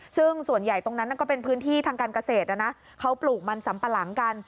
ซึ่งส่วนใหญ่ตรงนั้นก็เป็นพื้นที่ทางการเกษตรนะนะเขาปลูกมันสำปะหลังกัน